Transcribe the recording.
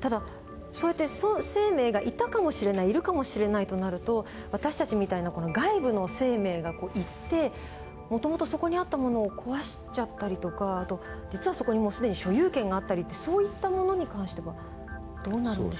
ただそうやって生命がいたかもしれないいるかもしれないとなると私たちみたいな外部の生命が行って元々そこにあったものを壊しちゃったりとかあと実はそこにもうすでに所有権があったりってそういったものに関してはどうなるんでしょうか？